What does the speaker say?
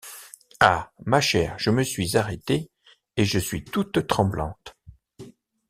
Ah! ma chère, je me suis arrêtée et suis toute tremblante.